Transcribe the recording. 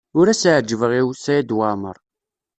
Ur as-ɛejjbeɣ i Saɛid Waɛmaṛ.